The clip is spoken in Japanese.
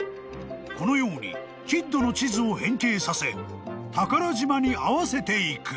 ［このようにキッドの地図を変形させ宝島に合わせていく］